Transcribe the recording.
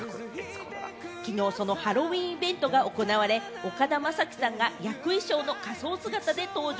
きのう、そのハロウィーンイベントが行われ、岡田将生さんが役衣装の仮装姿で登場。